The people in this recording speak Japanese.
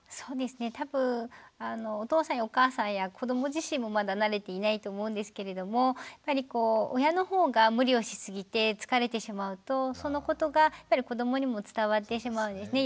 多分お父さんやお母さんや子ども自身もまだ慣れていないと思うんですけれどもやはりこう親の方が無理をしすぎて疲れてしまうとそのことがやっぱり子どもにも伝わってしまうんですね。